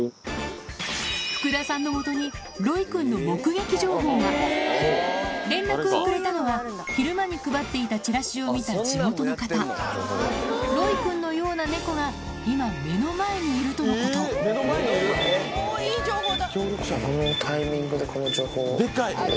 福田さんのもとに連絡をくれたのは昼間に配っていたチラシを見た地元の方ロイくんのような猫が今目の前にいるとのこと目の前にいる⁉いい情報だ！